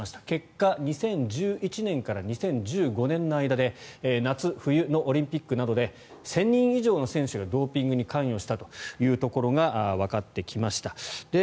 結果２０１１年から２０１５年の間で夏冬のオリンピックなどで１０００人以上の選手がドーピングに関与したということがわかってきました。